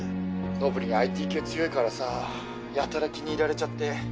のぶりんＩＴ系強いからさやたら気に入られちゃって。